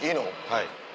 はい。